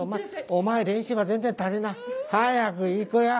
お前練習が全然足りない早く行くよ。